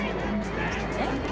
出ましたね。